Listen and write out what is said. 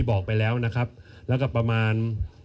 บอกไปแล้วนะครับแล้วก็ประมาณ